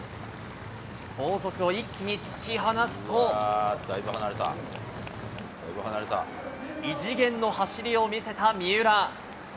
後続を一気に突き放すと、異次元の走りを見せた三浦。